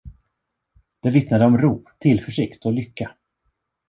Det vittnade om ro, tillförsikt och lycka.